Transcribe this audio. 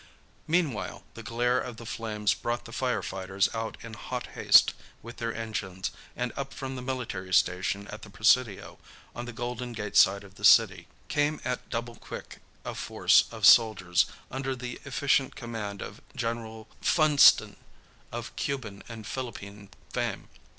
Meanwhile the glare of the flames brought the fire fighters out in hot haste with their engines, and up from the military station at the Presidio, on the Golden Gate side of the city, came at double quick a force of soldiers, under the efficient command of General Funston, of Cuban and Philippine fame.